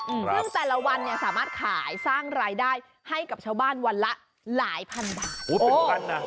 อืมซึ่งแต่ละวันเนี่ยสามารถขายสร้างรายได้ให้กับชาวบ้านวันละหลายพันบาทโอ้เป็นพันน่ะ